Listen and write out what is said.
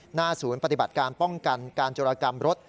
หน้าศูนย์ปฏิบัติการป้องกันการจรกรรมรถ